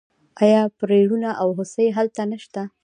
آیا پریړونه او هوسۍ هلته نشته؟